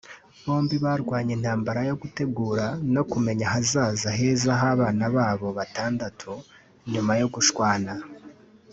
Bombi barwanye intambara yo gutegura no kumenya ahazaza heza h’abana babo batandatu nyuma yo gushwana